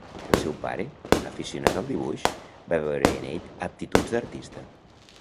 El seu pare, aficionat al dibuix, va veure en ell aptituds d'artista.